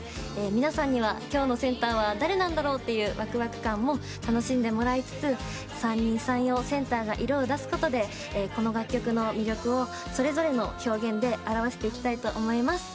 皆さんには今日のセンターは誰なんだろうっていうわくわく感も楽しんでもらいつつ三人三様センターが色を出すことでこの楽曲の魅力をそれぞれの表現で表していきたいと思います。